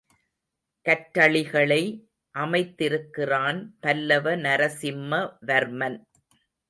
கற்றளிகளை அமைத்திருக்கிறான் பல்லவ நரசிம்மவர்மன்.